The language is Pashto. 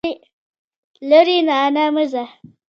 لرې رانه مه ځه.